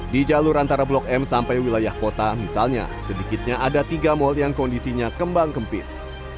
di jalur antara blok m sampai wilayah kota misalnya sedikitnya ada tiga mal yang kondisinya kembang kempis